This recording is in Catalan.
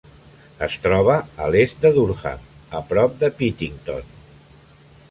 Es troba a l'est de Durham, a prop de Pittington.